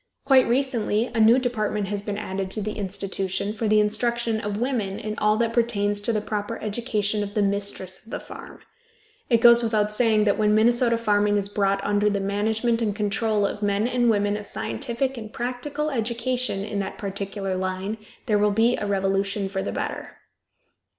Quite recently a new department has been added to the institution, for the instruction of women in all that pertains to the proper education of the mistress of the farm. It goes without saying that when Minnesota farming is brought under the management and control of men and women of scientific and practical education in that particular line there will be a revolution for the better.